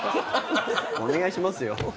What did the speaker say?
お願いしますよ。